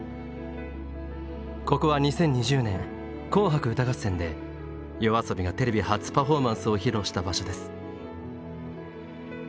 ここは２０２０年「紅白歌合戦」でＹＯＡＳＯＢＩがテレビ初パフォーマンスを披露した場所です。